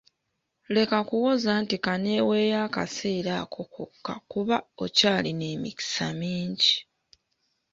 Leka kuwoza nti kanneeweeyo akaseera ako kokka kuba okyalina emikisa mingi.